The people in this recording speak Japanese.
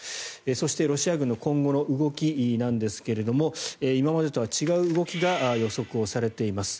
そしてロシア軍の今後の動きですが今までとは違う動きが予測されています。